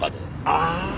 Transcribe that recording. ああ！